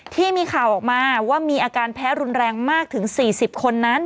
ที่มีข่าวออกมาว่ามีอาการแพ้รุนแรงมากถึง๔๐คนนั้น